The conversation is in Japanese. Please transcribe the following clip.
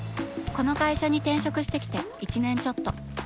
この会社に転職してきて１年ちょっと。